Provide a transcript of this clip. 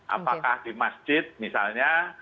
apakah di masjid misalnya